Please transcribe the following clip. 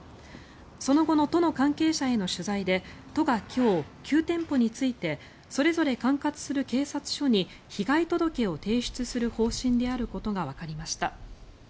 その後の都の関係者への取材で都が今日、９店舗についてそれぞれ管轄する警察署に被害届を提出する方針であることがわかりました。